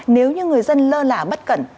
nếu như người dân lơ là mất cẩn